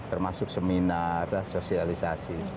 termasuk seminar sosialisasi